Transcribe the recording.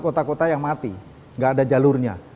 kota kota yang mati nggak ada jalurnya